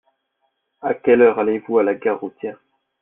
À quelle heure allez-vous à la gare routière ?